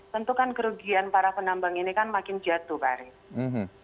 tentu kan kerugian para penambang ini kan makin jatuh pak arief